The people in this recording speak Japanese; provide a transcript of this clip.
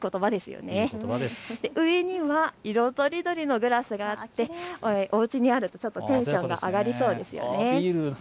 上には色とりどりのグラスがあっておうちにあるとテンションが上がりそうですよね。